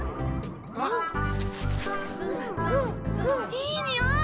いいにおい！